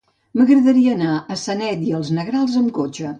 M'agradaria anar a Sanet i els Negrals amb cotxe.